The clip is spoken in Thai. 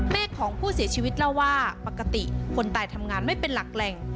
ของผู้เสียชีวิตเล่าว่าปกติคนตายทำงานไม่เป็นหลักแหล่ง